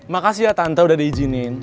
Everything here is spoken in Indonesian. makasih ya tante udah diizinin